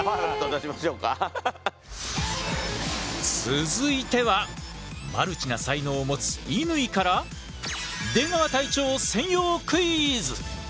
続いてはマルチな才能を持つ乾から出川隊長専用クイズ！